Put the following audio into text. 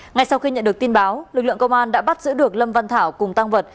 ngay sau khi nhận được tin báo lực lượng công an đã bắt giữ được lâm văn thảo cùng tăng vật